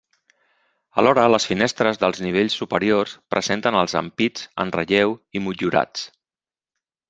Alhora, les finestres dels nivells superiors presenten els ampits en relleu i motllurats.